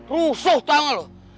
rusuh tau gak lo